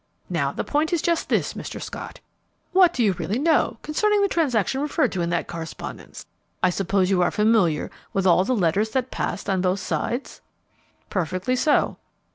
Now, the point is just this, Mr. Scott: What do you really know concerning the transaction referred to in that correspondence? I suppose you are familiar with all the letters that passed on both sides?" "Perfectly so."